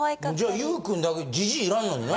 じゃあゆぅくんだけじじいいらんのにな。